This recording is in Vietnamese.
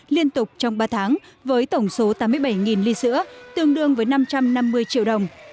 liên tục trong ba tháng với tổng số tám mươi bảy ly sữa tương đương với năm trăm năm mươi triệu đồng